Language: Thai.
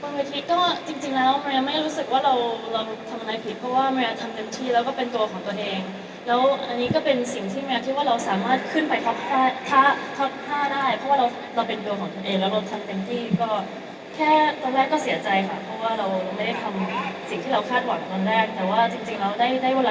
เวทีก็จริงแล้วแมวไม่รู้สึกว่าเราเราทำอะไรผิดเพราะว่าแมวทำเต็มที่แล้วก็เป็นตัวของตนเองแล้วอันนี้ก็เป็นสิ่งที่แมวคิดว่าเราสามารถขึ้นไปเขาถ้าถ้าได้เพราะว่าเราเราเป็นตัวของตนเองแล้วเราทำเต็มที่ก็แค่ตอนแรกก็เสียใจค่ะเพราะว่าเราได้ทำสิ่งที่เราคาดหวังตอนแรกแต่ว่าจริงแล้วได้เวลา